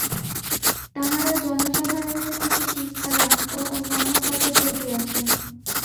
তাঁহারা জনসাধারণের মধ্যে শিক্ষাদান ও অন্যান্য কাজে ব্রতী আছেন।